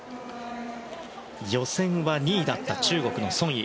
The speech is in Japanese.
予選は２位だった中国のソン・イ。